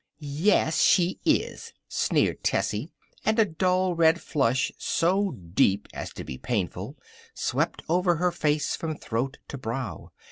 "Ya as she is!" sneered Tessie, and a dull red flush, so deep as to be painful, swept over her face from throat to brow.